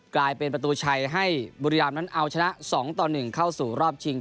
กลายเป็นประตูชัยให้บุรีรามนั้นเอาชนะ๒ต่อ๑เข้าสู่รอบชิง